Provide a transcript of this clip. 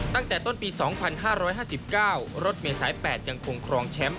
ตั้งแต่ต้นปี๒๕๕๙รถเมษาย๘ยังคงครองแชมป์